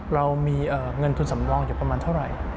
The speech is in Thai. เรามีเงินทุนสำรองอยู่ประมาณเท่าไหร่